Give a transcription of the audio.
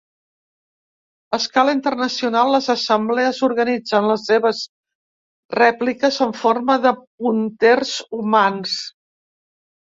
A escala internacional les assemblees organitzen les seves rèpliques en forma de punters humans.